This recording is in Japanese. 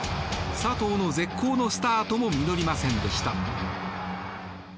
佐藤の絶好のスタートも実りませんでした。